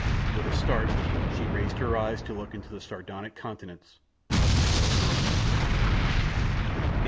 With a start she raised her eyes to look into the sardonic countenance of Nikolas Rokoff.